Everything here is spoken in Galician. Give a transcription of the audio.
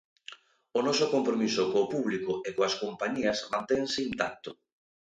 O noso compromiso co público e coas compañías mantense intacto.